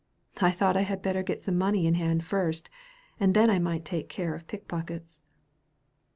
I thought I had better get some money in hand first, and then I might take care of pickpockets."